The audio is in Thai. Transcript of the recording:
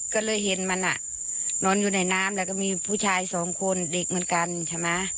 ก็เลยเห็นมันนอนอยู่ในน้ำแล้วก็มีผู้ชายสองคนเด็กเหมือนกันใช่ไหม